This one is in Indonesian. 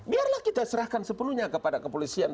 biarlah kita serahkan sepenuhnya kepada kepolisian